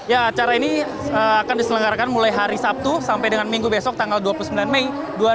ya acara ini akan diselenggarakan mulai hari sabtu sampai dengan minggu besok tanggal dua puluh sembilan mei dua ribu dua puluh